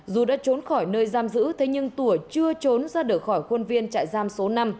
dù đã trốn khỏi nơi giam giữ thế nhưng tùa chưa trốn ra được khỏi khuôn viên trại giam số năm